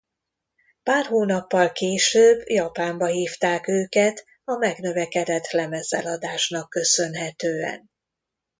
Pár hónappal később Japánba hívták őket a megnövekedett lemezeladásnak köszönhetően.